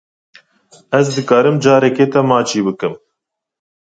Ez dikarim carekê te maçî bikim?